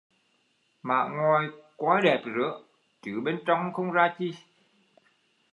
Mã ngoài coi đẹp rứa chứ bên trong không ra chi